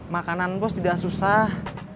makanan bos tidak susah